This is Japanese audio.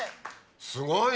すごいね。